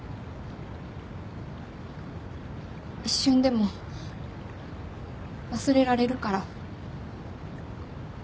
一瞬でも忘れられるから。